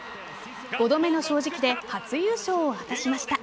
５度目の正直で初優勝を果たしました。